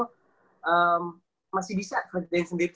masih bisa handle sendiri tuh masih bisa gitu loh